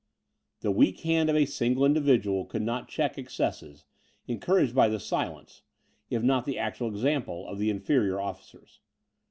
The weak hand of a single individual could not check excesses, encouraged by the silence, if not the actual example, of the inferior officers.